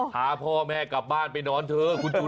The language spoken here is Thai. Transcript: พาพ่อแม่กลับบ้านไปนอนเถอะคุณจูน